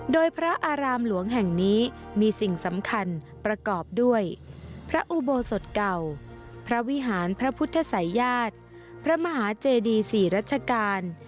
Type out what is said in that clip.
ดูด้วยพระอุโบสดเก่าพระวิหารพระพุทธศัยยาสตร์พระมหาเจดี๔ราชกาล